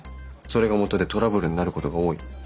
それがもとでトラブルになることが多い。